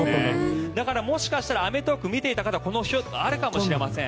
だからもしかしたら「アメトーーク！」、見ていた方見たことあるかもしれません。